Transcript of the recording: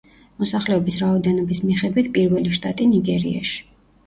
მოსახლეობის რაოდენობის მიხედვით პირველი შტატი ნიგერიაში.